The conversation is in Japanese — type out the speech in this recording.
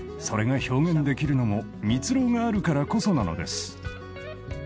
それが表現できるのもミツロウがあるからこそなのです。